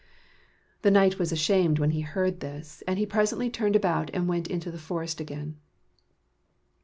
The knight was ashamed when he heard this, and he presently turned about and went into the forest again.